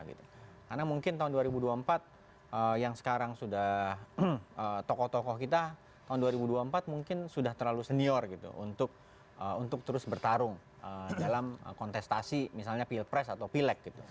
karena mungkin tahun dua ribu dua puluh empat yang sekarang sudah tokoh tokoh kita tahun dua ribu dua puluh empat mungkin sudah terlalu senior untuk terus bertarung dalam kontestasi misalnya pilpres atau pilek